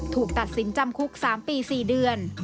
ถูกตัดสินจำคุก๓ปี๔เดือน